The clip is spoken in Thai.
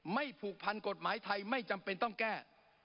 ผูกพันกฎหมายไทยไม่จำเป็นต้องแก้